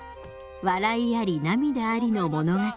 笑いあり涙ありの物語。